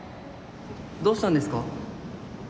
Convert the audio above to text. どうしたんですか？